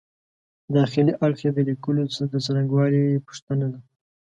داخلي اړخ یې د لیکلو د څرنګوالي پوښتنه ده.